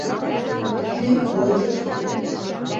Кӱ против?